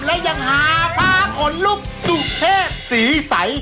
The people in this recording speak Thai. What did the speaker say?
และยังหาภาคอนลูกสุดเท่สีใส